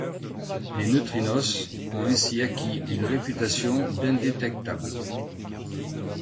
Les neutrinos ont ainsi acquis une réputation d'indétectable.